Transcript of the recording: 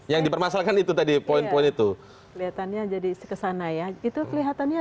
yang dipermasalahkan itu tadi poin poin itu kelihatannya jadi sekesana ya itu kelihatannya